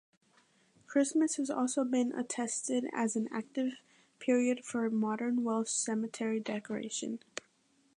Christmas has also been attested as an active period for modern Welsh cemetery decoration.